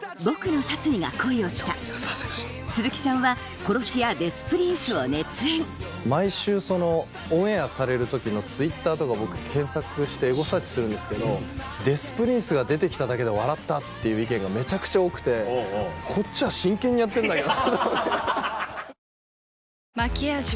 鈴木さんは殺し屋デス・プリンスを熱演毎週オンエアされる時のＴｗｉｔｔｅｒとか僕検索してエゴサーチするんですけど「デス・プリンスが出て来ただけで笑った！」っていう意見がめちゃくちゃ多くてこっちは真剣にやってんだけど。